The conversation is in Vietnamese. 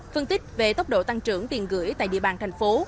phân tích về tốc độ tăng trưởng tiền gửi tại địa bàn thành phố